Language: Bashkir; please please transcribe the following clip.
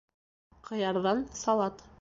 Ҡыярҙан салат